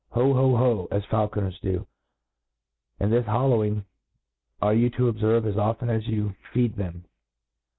Ho, ho, ho, as faulconers do ; and this hollowing you are to obferve as often as you feed them.